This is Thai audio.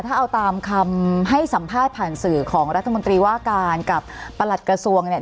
ถ้าเอาตามคำให้สัมภาษณ์ผ่านสื่อของรัฐมนตรีว่าการกับประหลัดกระทรวงเนี่ย